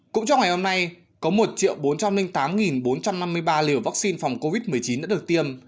cũng trong ngày hôm nay có một bốn trăm linh tám bốn trăm năm mươi ba liều vaccine phòng covid một mươi chín đã được tiêm